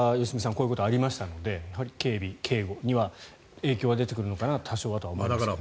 こういうことがありましたので警備、警護には多少は影響は出てくるのかなと思います。